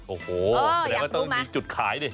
โอ้โหแล้วต้องมีจุดขายดิ